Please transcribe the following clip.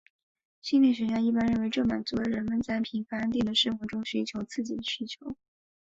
心理学一般认为这满足了人们在平凡安定的生活中寻求刺激的需要。